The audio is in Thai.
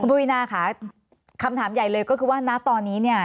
ปวีนาค่ะคำถามใหญ่เลยก็คือว่าณตอนนี้เนี่ย